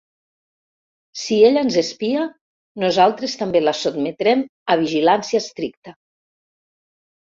Si ella ens espia, nosaltres també la sotmetrem a vigilància estricta.